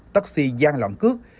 taxi gian lợn cước